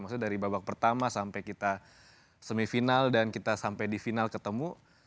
maksudnya dari babak pertama sampai kita semifinal dan kita sampai di final ketemu